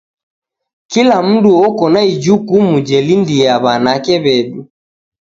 Kila mndu oko na ijukumu jelindia w'anake w'edu.